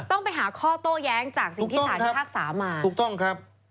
ต้องไปหาข้อโต้แย้งจากสิ่งที่สารพิพากษามาถูกต้องครับ